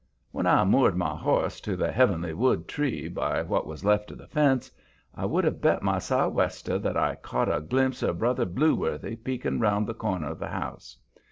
When I moored my horse to the "heavenly wood" tree by what was left of the fence, I would have bet my sou'wester that I caught a glimpse of Brother Blueworthy, peeking round the corner of the house.